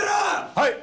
はい！